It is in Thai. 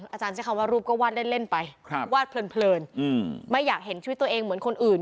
อาจารย์ใช้คำว่ารูปก็วาดเล่นไปวาดเพลินไม่อยากเห็นชีวิตตัวเองเหมือนคนอื่น